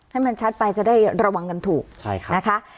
ให้มันชัดไปจะได้ระวังกันถูกนะคะ